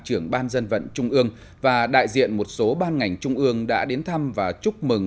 trưởng ban dân vận trung ương và đại diện một số ban ngành trung ương đã đến thăm và chúc mừng